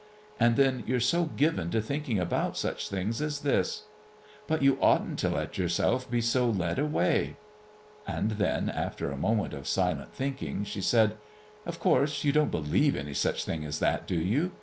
And then you're so given to thinking about such things as this. But you oughtn't to let yourself be so led away." And then, after a moment of silent thinking, she said: "Of course you don't believe any such thing as that, do you?